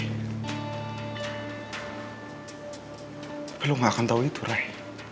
tapi lo gak akan tau itu ray